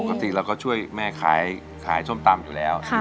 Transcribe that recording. ปกติเราก็ช่วยแม่ขายส้มตำอยู่แล้ว